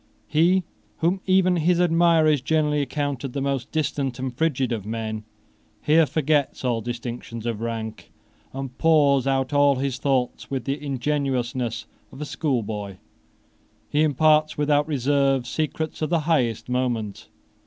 He whom even his admirers generally accounted the most distant and frigid of men here forgets all distinctions of rank, and pours out all his thoughts with the ingenuousness of a schoolboy. He imparts without reserve secrets of the highest moment.